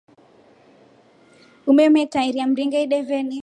Umemetrairia Mringa ideveni.